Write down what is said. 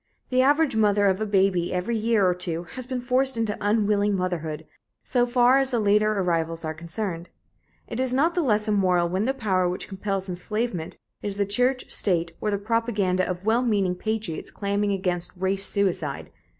The average mother of a baby every year or two has been forced into unwilling motherhood, so far as the later arrivals are concerned. It is not the less immoral when the power which compels enslavement is the church, state or the propaganda of well meaning patriots clamoring against "race suicide."